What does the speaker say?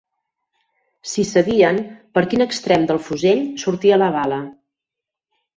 Si sabien per quin extrem del fusell sortia la bala